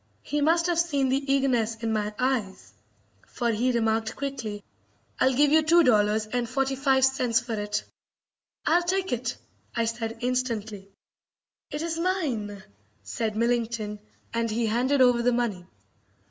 He must have seen the eagerness in my eyes, for he remarked quickly: "I'll give you two dollars and forty five cents for it!" "I'll take it!" I said instantly. "It is mine!" said Millington, and he handed over the money.